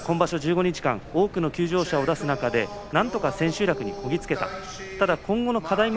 本場所１５日間、多くの休場者を出す中でなんとか千秋楽にこぎつけた。